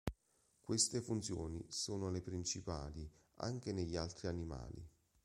Queste funzioni sono le principali anche negli altri animali.